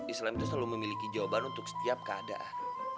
islam itu selalu memiliki jawaban untuk setiap keadaan